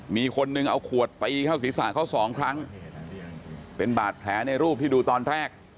มีคนนึงเอาขวดตีเข้าศีรษะเขาสองครั้งเป็นบาดแผลในรูปที่ดูตอนแรก